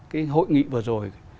cái hội nghị vừa rồi